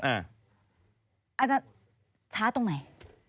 อาจารย์ช้าตรงไหน